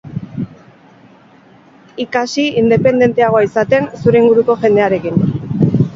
Ikasi independenteagoa izaten zure inguruko jendearekin.